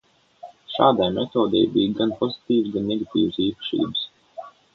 Šādai metodei bija gan pozitīvas, gan negatīvas īpašības.